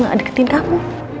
gak deketin kamu